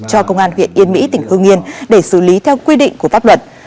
cho công an huyện yên mỹ tỉnh hương yên để xử lý theo quy định của pháp luật